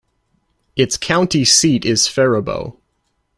Its county seat is Faribault.